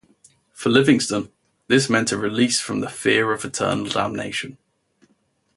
For Livingstone, this meant a release from the fear of eternal damnation.